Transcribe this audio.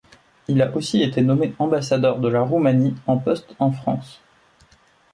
Il a aussi été nommé ambassadeur de la Roumanie en poste en France.